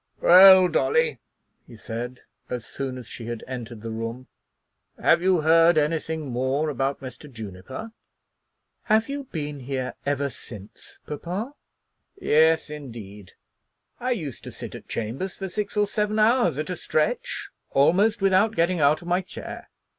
"Well, Dolly," he said, as soon as she had entered the room, "have you heard any thing more about Mr. Juniper?" "Have you been here ever since, papa?" "Yes, indeed; I used to sit at chambers for six or seven hours at a stretch, almost without getting out of my chair."